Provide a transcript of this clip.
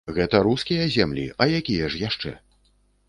Гэта рускія землі, а якія ж яшчэ?